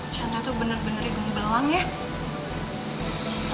chandra tuh bener bener gembelang ya